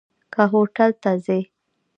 که هوټل ته ځي.